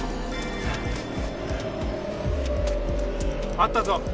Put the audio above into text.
あったぞ！